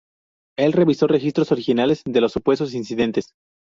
Él revisó registros originales de los supuestos incidentes.